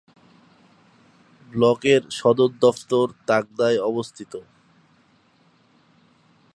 ব্লকের সদর দফতর তাকদায় অবস্থিত।